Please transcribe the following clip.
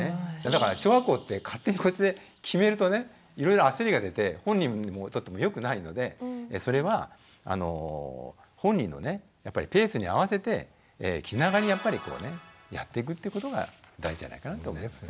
だから小学校って勝手にこっちで決めるとねいろいろ焦りが出て本人にとってもよくないのでそれは本人のねやっぱりペースに合わせて気長にやっぱりこうねやっていくってことが大事じゃないかなと思います。